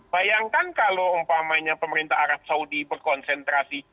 bayangkan kalau umpamanya pemerintah arab saudi berkonsentrasi